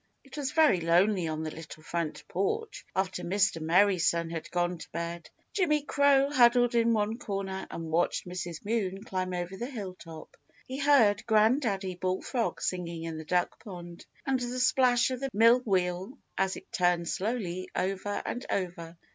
It was very lonely on the little front porch after Mr. Merry Sun had gone to bed. Jimmy Crow huddled in one corner and watched Mrs. Moon climb over the hilltop. He heard Granddaddy Bullfrog singing in the Duck Pond, and the splash of the millwheel as it turned slowly over and over.